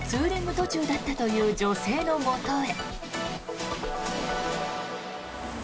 途中だったという女性のもとへ。